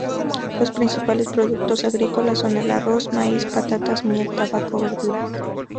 Los principales productos agrícolas son el arroz, maíz, patatas, miel, tabaco, verduras.